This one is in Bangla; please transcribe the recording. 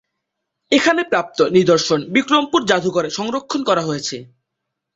এখানে প্রাপ্ত নিদর্শন বিক্রমপুর জাদুঘরে সংরক্ষণ করা হয়েছে।